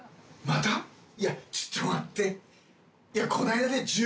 いやちょっと待って。